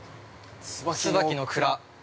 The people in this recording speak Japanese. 「椿の蔵」。